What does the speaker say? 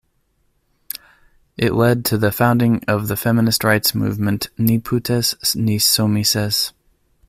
It led to the founding of the feminist rights movement Ni Putes Ni Soumises.